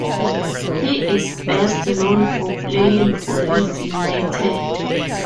He is best known for playing for Leeds United.